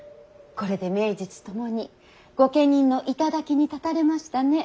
これで名実ともに御家人の頂に立たれましたね。